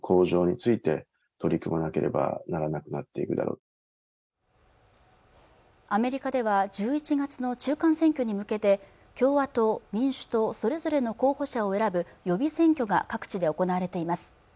こうしたアメリカの動きに専門家はアメリカでは１１月の中間選挙に向けて共和党、民主党それぞれの候補者を選ぶ予備選挙が各地で行われています